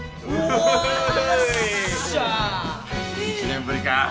１年ぶりかぁ。